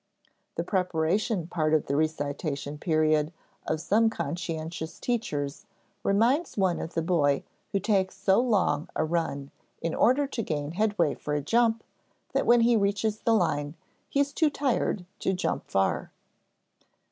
The preparation part of the recitation period of some conscientious teachers reminds one of the boy who takes so long a run in order to gain headway for a jump that when he reaches the line, he is too tired to jump far.